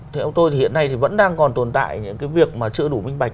theo ông tôi thì hiện nay thì vẫn đang còn tồn tại những cái việc mà chưa đủ minh bạch